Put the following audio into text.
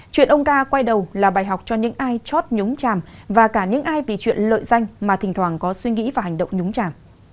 chuyện ông ca quay đầu là bài học cho những ai chót nhúng chàm và cả những ai vì chuyện lợi danh mà thỉnh thoảng có suy nghĩ và hành động nhúng chảm